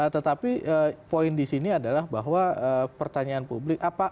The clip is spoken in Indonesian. tetapi poin di sini adalah bahwa pertanyaan publik